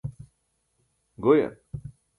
goyan